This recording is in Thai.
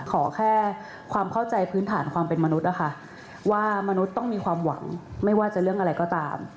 ขอแค่ความเข้าใจพื้นฐานความเป็นมนุษย์นะคะว่ามนุษย์ต้องมีความหวังไม่ว่าจะเรื่องอะไรก็ตาม